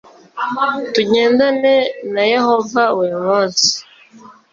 Tugendane na Yehova buri munsi